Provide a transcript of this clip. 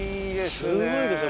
すごいですよ